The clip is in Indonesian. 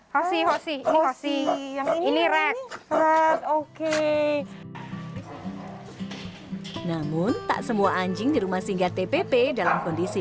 kasih masih yang ini rekret oke namun tak semua anjing di rumah singgah tpp dalam kondisi